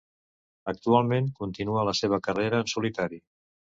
Actualment continua la seva carrera en solitari.